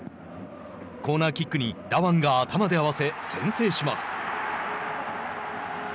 コーナーキックにダワンが頭で合わせ先制します。